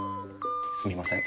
すみません